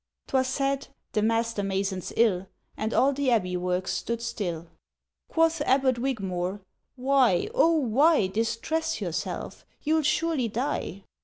—'Twas said, "The master mason's ill!" And all the abbey works stood still. Quoth Abbot Wygmore: "Why, O why Distress yourself? You'll surely die!"